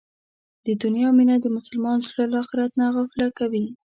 د دنیا مینه د مسلمان زړه له اخرت نه غافله کوي.